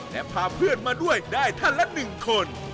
และพาเพื่อนมาด้วยได้ท่านละ๑คน